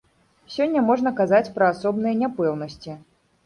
Сёння можна казаць пра асобныя няпэўнасці.